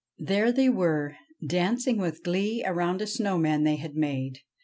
There they were, dancing with glee round a snow man they had made.